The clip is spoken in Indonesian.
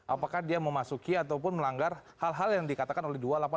apakah dia memasuki ataupun melanggar hal hal yang dikatakan oleh dua ratus delapan puluh